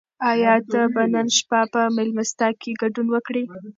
آیا ته به نن شپه په مېلمستیا کې ګډون وکړې؟